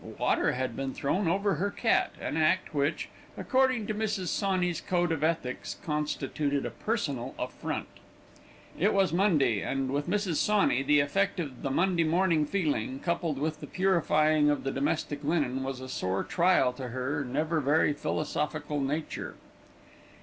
Water had been thrown over her cat, an act which, according to Mrs. Sawney's code of ethics, constituted a personal affront. It was Monday, and with Mrs. Sawney the effect of the Monday morning feeling, coupled with the purifying of the domestic linen, was a sore trial to her never very philosophical nature.